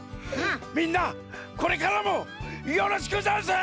みんなこれからもよろしくざんす！